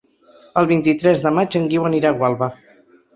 El vint-i-tres de maig en Guiu anirà a Gualba.